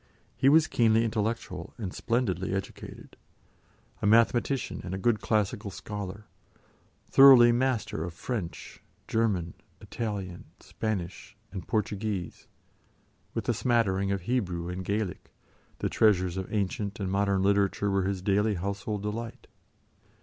He was keenly intellectual and splendidly educated; a mathematician and a good classical scholar, thoroughly master of French, German, Italian, Spanish, and Portuguese, with a smattering of Hebrew and Gaelic, the treasures of ancient and of modern literature were his daily household delight.